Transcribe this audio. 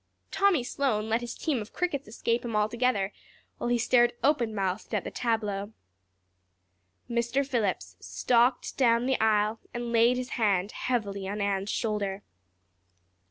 Tommy Sloane let his team of crickets escape him altogether while he stared open mouthed at the tableau. Mr. Phillips stalked down the aisle and laid his hand heavily on Anne's shoulder.